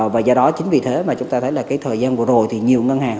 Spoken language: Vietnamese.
và do đó chính vì thế mà chúng ta thấy là cái thời gian vừa rồi thì nhiều ngân hàng